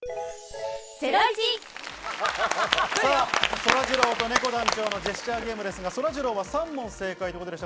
そらジローとねこ団長のジェスチャーゲームですが、そらジローは３問正解でした。